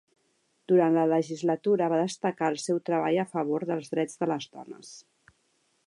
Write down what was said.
Durant la legislatura va destacar el seu treball a favor dels drets de les dones.